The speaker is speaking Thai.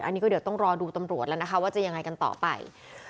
อันนี้ก็เดี๋ยวต้องรอดูตำรวจแล้วนะคะว่าจะยังไงกันต่อไป